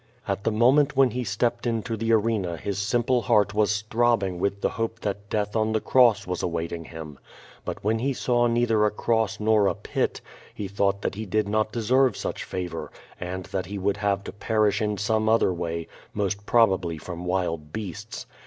. At the momentfwhen he stepped into the arena his simple heart was throbbiiig with the hope that death on the cross was awaiting himl But when he saw neither a cross nor a pit, he thought thathe did not deserve such favor, and that he would have to perkh in some other way, most probably from wild beasts.